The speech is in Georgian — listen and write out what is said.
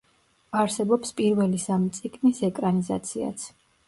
არსებობს პირველი სამი წიგნის ეკრანიზაციაც.